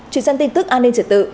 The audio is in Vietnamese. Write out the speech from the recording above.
chuyển sang tin tức an ninh trở tự